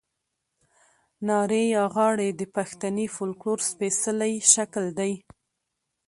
نارې یا غاړې د پښتني فوکلور سپېڅلی شکل دی.